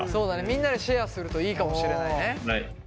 みんなでシェアするといいかもしれないね。